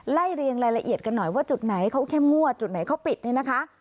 เรียงรายละเอียดกันหน่อยว่าจุดไหนเขาเข้มงวดจุดไหนเขาปิดเนี่ยนะคะ